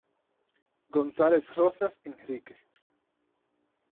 González Rosas, Enrique.